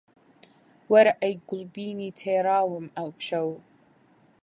وەرە ئەی گوڵبنی تێراوم ئەمشەو